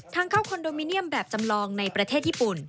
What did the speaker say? ทางเข้าคอนโดมิเนียมแบบจำลองในประเทศญี่ปุ่น